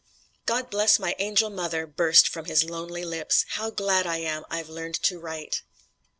"God bless my angel mother!" burst from his lonely lips "how glad I am I've learned to write!"